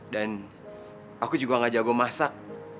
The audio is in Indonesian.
dan aku juga gak jago masak